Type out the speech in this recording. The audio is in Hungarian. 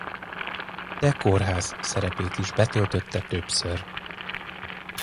De kórház szerepét is betöltötte többször.